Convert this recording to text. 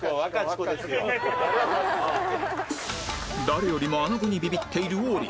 誰よりもあなごにビビっている王林